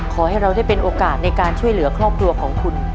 ขอให้เราได้เป็นโอกาสในการช่วยเหลือครอบครัวของคุณ